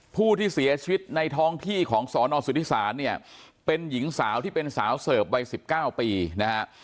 ผู้ที่เสียชีวิตในท้องที่ของสอนอสุทธิศาลเนี่ยเป็นหญิงสาวที่เป็นสาวเสิร์ฟวัย๑๙ปีนะฮะ